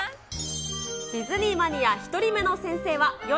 ディズニーマニア、１人目の先生は、よ